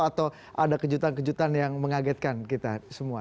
atau ada kejutan kejutan yang mengagetkan kita semua